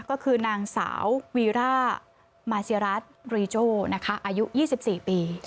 ก็คือนางสาววีร่ามาเซียรัสรีโจอายุ๒๔ปี